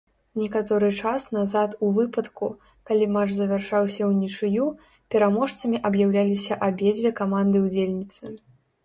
Некаторы час назад у выпадку, калі матч завяршаўся ўнічыю, пераможцамі аб'яўляліся абедзве каманды-ўдзельніцы.